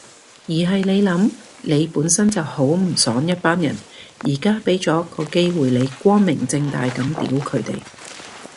而係你諗，你本身就好唔爽一班人，而家畀咗個機會你光明正大噉屌佢哋